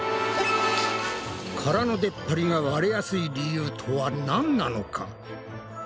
殻のでっぱりが割れやすい理由とはなんなのか？